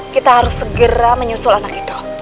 kita harus segera menyusul anak itu